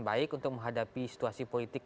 baik untuk menghadapi situasi politik